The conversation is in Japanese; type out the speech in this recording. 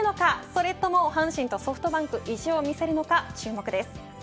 それ阪神とソフトバンクが意地を見せるのか注目です。